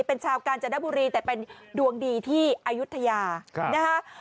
เป็นชาวกาญจนบุรีแต่เป็นดวงดีที่อายุทยานะคะ